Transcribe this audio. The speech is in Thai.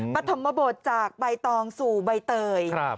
ปฐมบทจากใบตองสู่ใบเตย